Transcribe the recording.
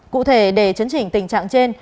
cụ thể để chấn chỉnh tình trạng trên